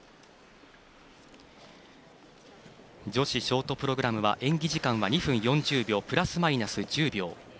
女子ショートプログラムは２分４０秒プラスマイナス１０秒。